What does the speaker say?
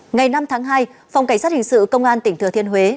ngày năm tháng hai phòng cảnh sát hình sự công an tỉnh thừa thiên huế